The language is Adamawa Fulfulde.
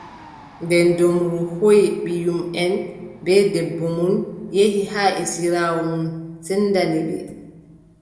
Nden doombru hooʼi ɓiyumʼen bee debbo mum, yehi haa esiraawo mum, sendani ɓe.